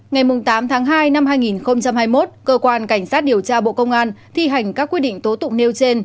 ngày tám tháng hai năm hai nghìn hai mươi một cơ quan cảnh sát điều tra bộ công an thi hành các quyết định tố tụng nêu trên